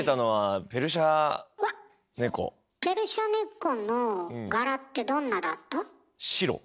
ペルシャネコの柄ってどんなだった？